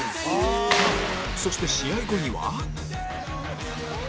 そして試合後には